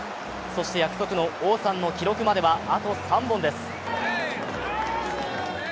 そして約束の王さんの記録まではあと３本です。